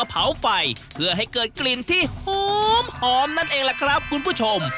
เผาไฟเพื่อให้เกิดกลิ่นที่หอมนั่นเองล่ะครับคุณผู้ชม